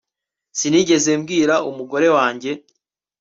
Sinigeze mbwira umugore wanjye